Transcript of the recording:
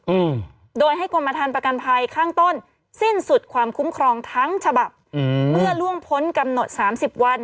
อืมโดยให้กรมฐานประกันภัยข้างต้นสิ้นสุดความคุ้มครองทั้งฉบับอืมเมื่อล่วงพ้นกำหนดสามสิบวัน